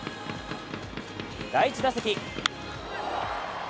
第１打席。